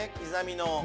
刻みの。